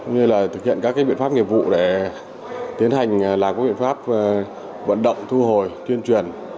như là thực hiện các biện pháp nghiệp vụ để tiến hành làm các biện pháp vận động thu hồi tuyên truyền